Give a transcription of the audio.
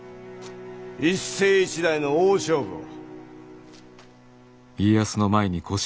一世一代の大勝負を。